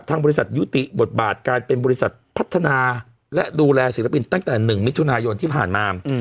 บริษัทยุติบทบาทการเป็นบริษัทพัฒนาและดูแลศิลปินตั้งแต่๑มิถุนายนที่ผ่านมา